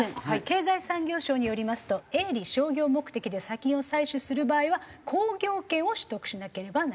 経済産業省によりますと営利・商業目的で砂金を採取する場合は鉱業権を取得しなければなりません。